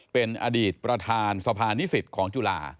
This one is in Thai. เป็นอดีตประธานสภานิสิตของจุฬา